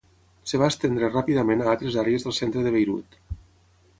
Es va estendre ràpidament a altres àrees del centre de Beirut.